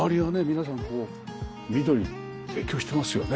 皆さんこう緑影響してますよね。